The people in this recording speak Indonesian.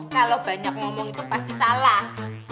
kalau banyak ngomong itu pasti salah